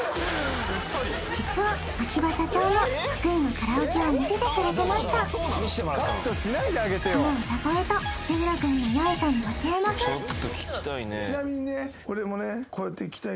実は秋葉社長も得意のカラオケを見せてくれてましたその歌声と目黒くんのヨイショにご注目社長